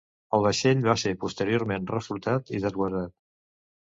El vaixell va ser posteriorment reflotat i desguassat.